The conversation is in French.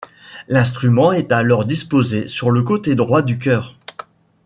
L'instrument est alors disposé sur le côté droit du chœur.